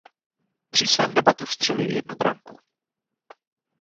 Při svém debutu vstřelil jednu branku.